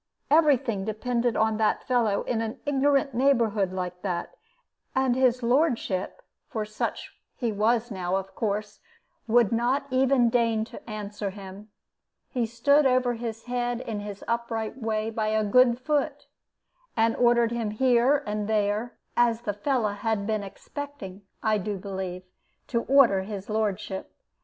Every thing depended on that fellow in an ignorant neighborhood like that; and his lordship, for such he was now, of course, would not even deign to answer him. He stood over his head in his upright way by a good foot, and ordered him here and there, as the fellow had been expecting, I do believe, to order his lordship.